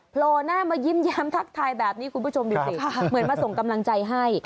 โผล่หน้ามายิ้มแย้มทักทายแบบนี้คุณผู้ชมดูสิเหมือนมาส่งกำลังใจให้